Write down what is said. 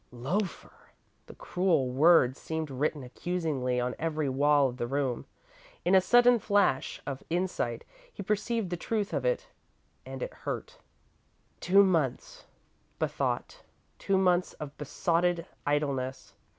"Loafer!" The cruel word seemed written accusingly on every wall of the room. In a sudden flash of insight he perceived the truth of it and it hurt. "Two months," bethought; "two months of besotted idleness.